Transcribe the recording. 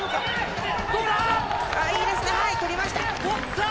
取った！